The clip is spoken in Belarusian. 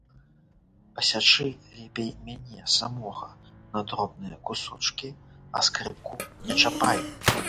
Пасячы лепей мяне самога на дробныя кусочкі, а скрыпку не чапай!